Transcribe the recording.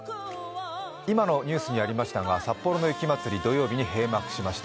今のニュースにありましたが札幌の雪まつり土曜日に閉幕しました。